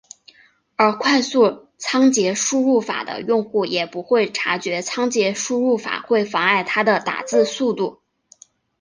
而快速仓颉输入法的用户也不会察觉仓颉输入法会妨碍他的打字速度。